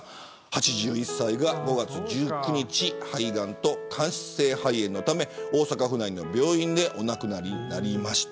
８１歳が５月１９日肺がんと間質性肺炎のため大阪府内の病院で亡くなりました。